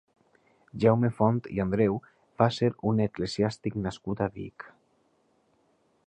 Jaume Font i Andreu va ser un eclesiàstic nascut a Vic.